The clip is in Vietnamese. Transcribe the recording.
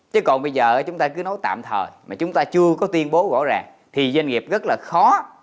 chứ còn bây giờ chúng ta cứ nói tạm thời mà chúng ta chưa có tuyên bố rõ ràng thì doanh nghiệp rất là khó